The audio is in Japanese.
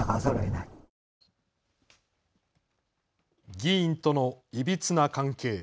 議員とのいびつな関係。